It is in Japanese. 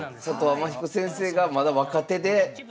天彦先生がまだ若手で。